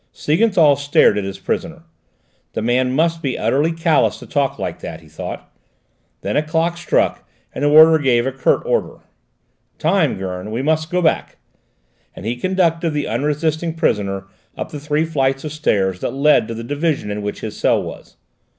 Siegenthal stared at his prisoner. The man must be utterly callous to talk like that, he thought. Then a clock struck and the warder gave a curt order. "Time, Gurn! We must go back," and he conducted the unresisting prisoner up the three flights of stairs that led to the division in which his cell was.